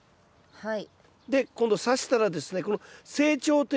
はい。